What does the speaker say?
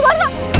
kamu akan sampe